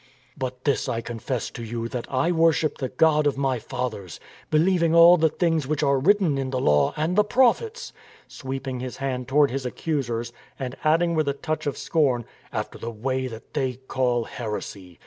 " But this I confess to you that I worship the God of my fathers, believing all the things which are writ ten in the Law and the Prophets," sweeping his hand toward his accusers, and adding with a touch of scorn, " after the way that they call heresy.